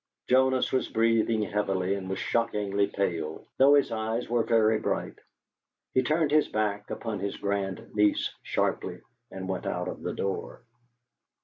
Jonas was breathing heavily and was shockingly pale, though his eyes were very bright. He turned his back upon his grandniece sharply and went out of the door.